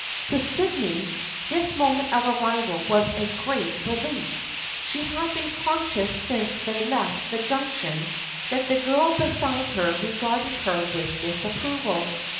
To Sydney this moment of arrival was a great relief. She had been conscious since they left the Junction that the girl beside her regarded her with disapproval.